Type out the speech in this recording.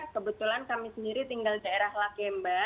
kebetulan kami sendiri tinggal daerah lakemba